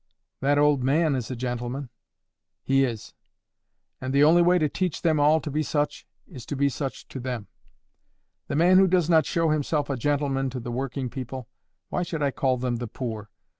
"That old man is a gentleman." "He is. And the only way to teach them all to be such, is to be such to them. The man who does not show himself a gentleman to the working people—why should I call them the poor?